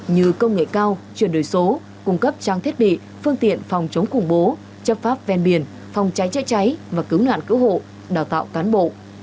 như công nghệ cao chuyển đổi số cung cấp trang thiết bị phương tiện phòng chống khủng bố chấp pháp ven biển phòng cháy chữa cháy và cứu nạn cứu hộ đào tạo cán bộ